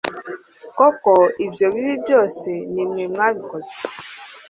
koko ibyo bibi byose ni mwe mwabikoze